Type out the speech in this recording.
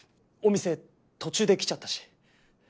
お店途中で来ちゃったし。